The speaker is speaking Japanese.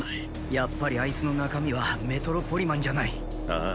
やっぱりあいつの中身はメトロポリマンじゃないああ